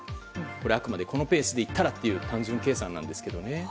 あくまでこのペースでいったらという単純計算なんですけどね。